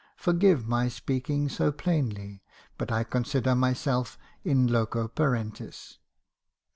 Forgive my speaking so plainly, but I consider myself in loco parentis?